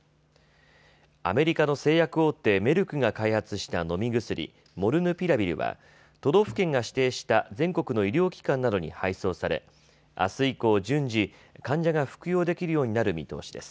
アメリカの製薬大手、メルクが開発した飲み薬、モルヌピラビルは都道府県が指定した全国の医療機関などに配送されあす以降順次、患者が服用できるようになる見通しです。